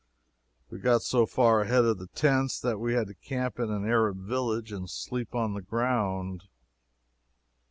We got so far ahead of the tents that we had to camp in an Arab village, and sleep on the ground.